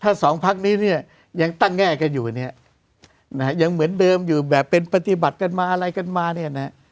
ถ้าสองพักนี้เนี่ยยังตั้งแง่กันอยู่เนี่ยนะฮะยังเหมือนเดิมอยู่แบบเป็นปฏิบัติกันมาอะไรกันมาเนี่ยนะ